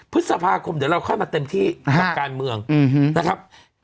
พฤษภาคมเดี๋ยวเราค่อยมาเต็มที่กับการเมืองนะครับ